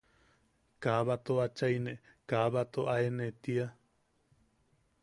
¿Kaa bato achaine, kaa bato aene tia?